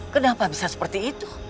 kenapa bisa seperti itu